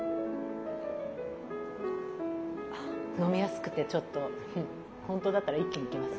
飲みやすくてちょっと本当だったら一気にいけます。